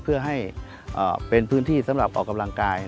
เพื่อให้เป็นพื้นที่สำหรับออกกำลังกาย